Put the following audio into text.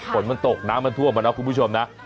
ฝนมันตกน้ำมันท่วมอะเนาะคุณผู้ชมนะ